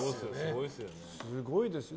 すごいですよね。